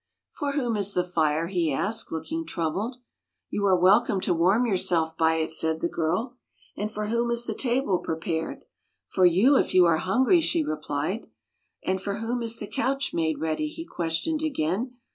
" For whom is the fire? " he asked, look ing troubled. "You are welcome to warm yourself by it," said the girl. " And for whom is the table prepared? " he added. " For you, if you are hungry," she re plied. " And for whom is the couch made ready? " he questioned again.